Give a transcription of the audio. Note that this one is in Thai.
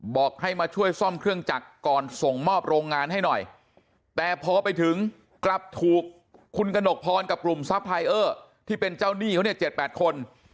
บอกให้มาช่วยซ่อมเครื่องจักรก่อนส่งมอบโรงงานให้หน่อย